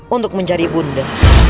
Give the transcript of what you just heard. untuk mencari bunda